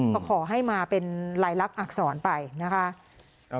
ก็ขอให้มาเป็นลายลักษณอักษรไปนะคะ